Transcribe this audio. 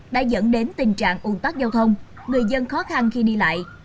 đã dẫn đến tình trạng ủng tắc giao thông người dân khó khăn khi đi lại